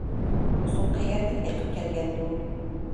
بۇ سۇ قەيەردىن ئېقىپ كەلگەندۇ؟